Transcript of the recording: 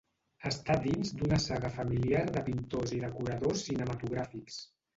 Està dins d'una saga familiar de pintors i decoradors cinematogràfics.